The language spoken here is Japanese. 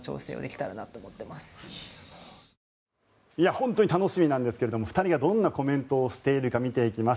本当に楽しみなんですけど２人がどんなコメントをしているか見ていきます。